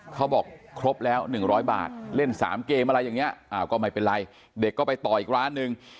เขาบอกครบแล้ว๑๐๐บาทเล่น๓เกมอะไรอย่างนี้ก็ไม่เป็นไรเด็กก็ไปต่ออีกร้านนึง